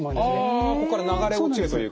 あこっから流れ落ちるというか。